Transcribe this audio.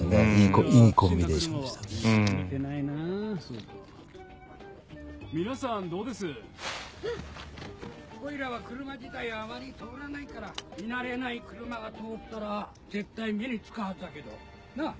ここいらは車自体あまり通らないから見慣れない車が通ったら絶対目に付くはずだけど。なあ？